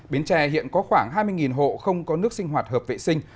bến tre hiện có khoảng hai mươi hộ không có nước sinh hoạt hợp vệ sinh